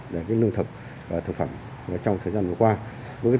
để lương thực và thực phẩm trong thời gian vừa qua